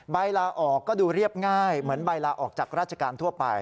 ใบลาออกก็ดูเรียบง่ายเหมือนใบลาออกจากราชการทั่วไป